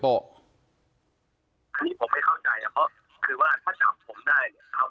เพราะคือถ้าจับผมได้มีชื่อมีชั้นอีกหายที่ต้องการเรา